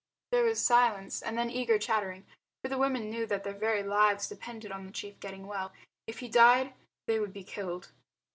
There was silence and then eager chattering, for the women knew that their very lives depended on the chief getting well. If he died, they would be killed.